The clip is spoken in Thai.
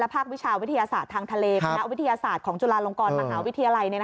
ภาควิชาวิทยาศาสตร์ทางทะเลคณะวิทยาศาสตร์ของจุฬาลงกรมหาวิทยาลัย